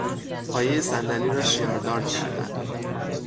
پایهی صندلی را شیاردار کردن